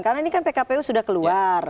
karena ini kan pkpu sudah keluar